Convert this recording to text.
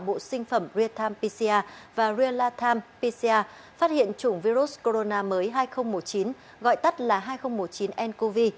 bộ sinh phẩm riatam pca và rialatam pca phát hiện chủng virus corona mới hai nghìn một mươi chín gọi tắt là hai nghìn một mươi chín ncov